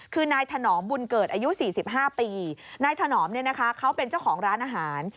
คือนายถนอมบุญเกิดอายุ๔๕ปีนายถนอมเนี่ยนะคะเขาเป็นเจ้าของร้านอาหาร